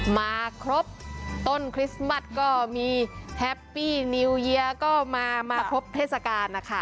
มาครบต้นคริสต์มัสก็มีแฮปปี้นิวเยียร์ก็มาครบเทศกาลนะคะ